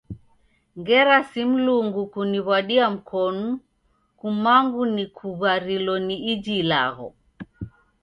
Ngera si Mlungu kuniw'wadia mkonu, kumangu nikuw'arilo ni iji ilagho.